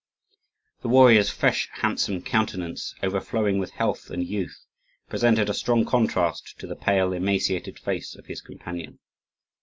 The warrior's fresh, handsome countenance, overflowing with health and youth, presented a strong contrast to the pale, emaciated face of his companion.